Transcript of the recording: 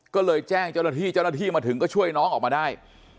ก็เลยแจ้งเจ้าหน้าที่มาถึงก็ช่วยน้องออกมาได้